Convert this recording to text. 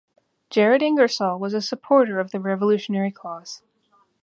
Jared Ingersoll was a supporter of the Revolutionary cause.